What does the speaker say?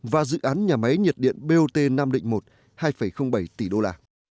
và dự án nhà máy nhiệt điện bot nam định một hai bảy tỷ đô la